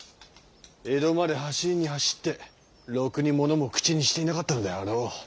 江戸まで走りに走ってろくに物も口にしていなかったのであろう。